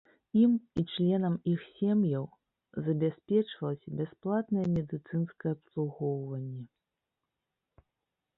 Ім і членам іх сем'яў забяспечвалася бясплатнае медыцынскае абслугоўванне.